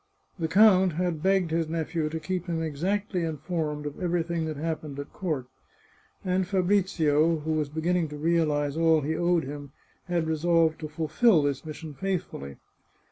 The count had begged his nephew to keep him exactly informed of everything that happened at court, and Fabrizio, who was beginning to realize all he owed him, had resolved to fulfil this mission faithfully.